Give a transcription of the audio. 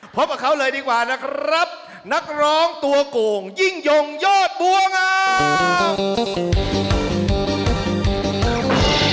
พบกับเขาเลยดีกว่านะครับนักร้องตัวโก่งยิ่งยงยอดบัวงาม